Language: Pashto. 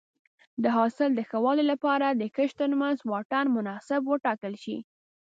د حاصل د ښه والي لپاره د کښت ترمنځ واټن مناسب وټاکل شي.